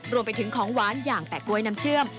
รวมไปถึงของหวานอย่างแปะกล้วยน้ำเชื่อม